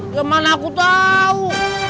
gimana aku tau